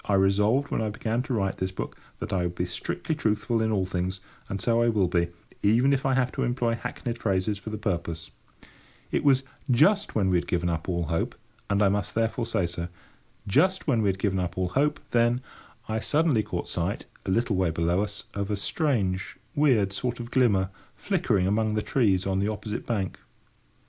I resolved, when I began to write this book, that I would be strictly truthful in all things; and so I will be, even if I have to employ hackneyed phrases for the purpose. It was just when we had given up all hope, and I must therefore say so. Just when we had given up all hope, then, I suddenly caught sight, a little way below us, of a strange, weird sort of glimmer flickering among the trees on the opposite bank.